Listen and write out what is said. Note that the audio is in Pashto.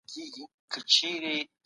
بشریت د حق او رښتیا پلوی دی.